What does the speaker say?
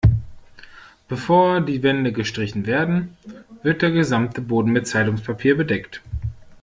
Bevor die Wände gestrichen werden, wird der gesamte Boden mit Zeitungspapier bedeckt.